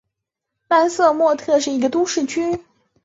南萨默塞特是一个位于英格兰萨默塞特郡的非都市区。